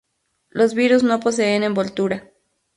Los virus no poseen envoltura.